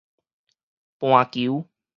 盤球